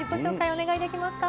お願いできますか？